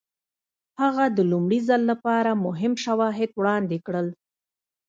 هغه د لومړي ځل لپاره مهم شواهد وړاندې کړل.